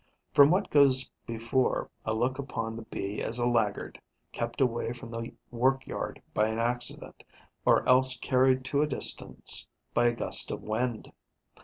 From what goes before, I look upon the Bee as a laggard, kept away from the workyard by an accident, or else carried to a distance by a gust of wind.